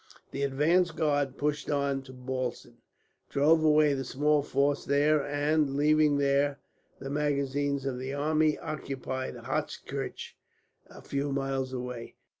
The advance guard pushed on to Bautzen, drove away the small force there and, leaving there the magazines of the army, occupied Hochkirch, a few miles away.